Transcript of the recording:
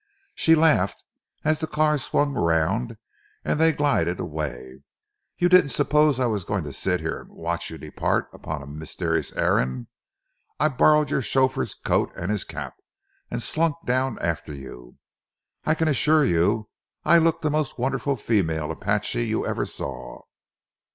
she laughed, as the car swung around and they glided away. "You didn't suppose I was going to sit here and watch you depart upon a mysterious errand? I borrowed your chauffeur's coat and his cap, and slunk down after you. I can assure you I looked the most wonderful female apache you ever saw!